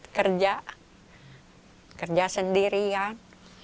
kerja kerja sendirian